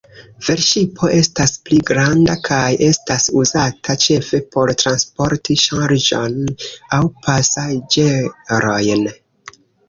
Velŝipo estas pli granda kaj estas uzata ĉefe por transporti ŝarĝon aŭ pasaĝerojn.